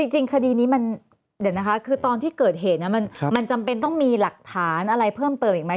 จริงคดีนี้มันเดี๋ยวนะคะคือตอนที่เกิดเหตุมันจำเป็นต้องมีหลักฐานอะไรเพิ่มเติมอีกไหม